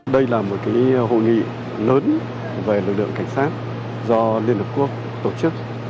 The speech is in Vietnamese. đây là một hội nghị lớn về lực lượng cảnh sát do liên hợp quốc tổ chức